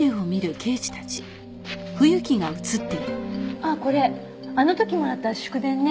あっこれあの時もらった祝電ね。